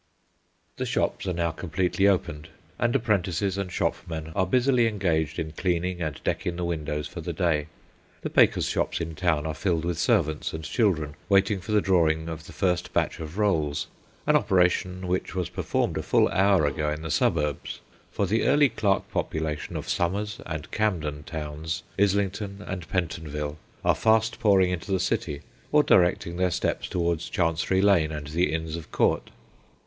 The shops are now completely opened, and apprentices and shop men are busily engaged in cleaning and decking the windows for the day. The bakers' shops in town are filled with servants and children waiting for the drawing of the first batch of rolls an operation which was performed a full hour ago in the suburbs ; for the early clerk population of Somers and Cainden Towns, Islington, and Pentonville, are fast pouring into the City, or directing their steps towards Chancery Lane and the Inns of Court.